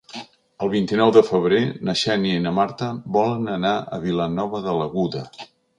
El vint-i-nou de febrer na Xènia i na Marta volen anar a Vilanova de l'Aguda.